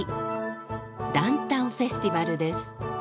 ランタンフェスティバルです。